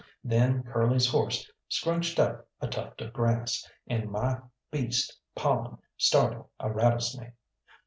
Then Curly's horse scrunched up a tuft of grass, and my beast pawing, startled a rattlesnake.